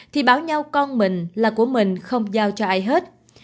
thì bảo nhau con mình là của mình không giao cho ai hết